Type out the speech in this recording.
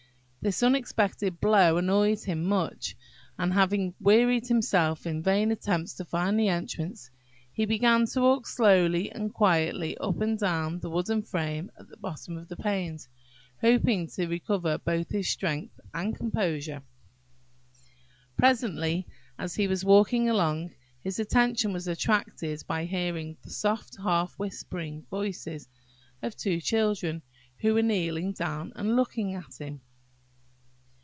This unexpected blow annoyed him much; and having wearied himself in vain attempts to find the entrance, he began to walk slowly and quietly up and down the wooden frame at the bottom of the panes, hoping to recover both his strength and composure. Presently, as he was walking along, his attention was attracted by hearing the soft half whispering voices of two children, who were kneeling down and looking at him.